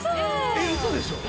えっうそでしょ？